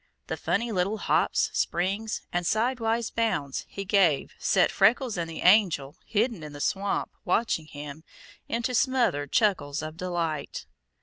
The funny little hops, springs, and sidewise bounds he gave set Freckles and the Angel, hidden in the swamp, watching him, into smothered chuckles of delight.